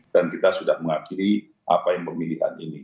kita sudah mengakhiri apa yang pemilihan ini